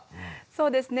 そうですね